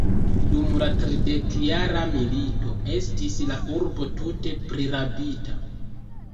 Dum la tridekjara milito estis la urbo tute prirabita.